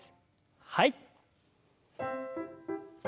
はい。